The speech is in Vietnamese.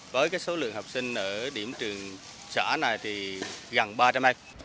với cái số lượng học sinh ở điểm trường xã này thì gần ba trăm linh anh